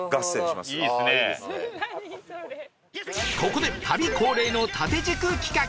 ここで旅恒例の縦軸企画